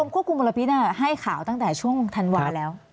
ควบคุมมลพิษให้ข่าวตั้งแต่ช่วงธันวาแล้ว